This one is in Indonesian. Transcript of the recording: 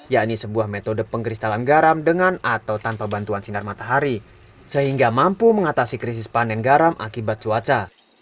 yakni sebuah metode pengkristalan garam dengan atau tanpa bantuan sinar matahari sehingga mampu mengatasi krisis panen garam akibat cuaca